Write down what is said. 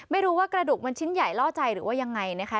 ไม่รู้ว่ากระดูกมันชิ้นใหญ่ล่อใจหรือว่ายังไงนะคะ